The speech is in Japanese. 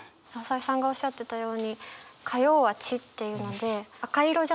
朝井さんがおっしゃってたように火曜は「血」っていうので赤色じゃないですか血って。